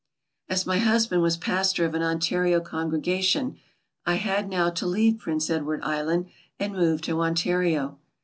As my husband was pasror of an Ontario congregation, I had now to leave Prince Edward Island and move to On tario.